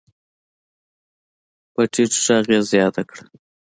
په ټيټ غږ يې زياته کړه.